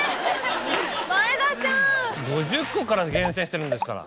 ５０個から厳選してるんですから。